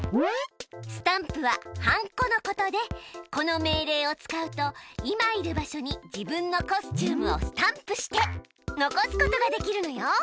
スタンプははんこのことでこの命令を使うと今いる場所に自分のコスチュームをスタンプして残すことができるのよ。